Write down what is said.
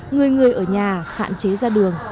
người người ở nhà khạn chế ra đường